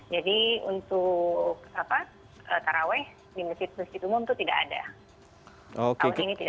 jadi untuk raweh di masjid masjid umum itu tidak ada